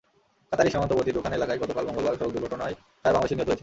কাতারের সীমান্তবর্তী দুখান এলাকায় গতকাল মঙ্গলবার সড়ক দুর্ঘটনায় চার বাংলাদেশি নিহত হয়েছেন।